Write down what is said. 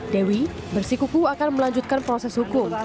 dewi bersikuku akan melanjutkan proses hukum